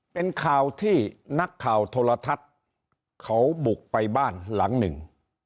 เป็นข่าวที่นักข่าวโทรทัศน์เขาบุกไปบ้านหลังหนึ่ง